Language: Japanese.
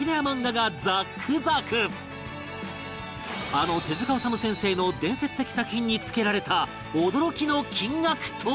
あの手治虫先生の伝説的作品に付けられた驚きの金額とは？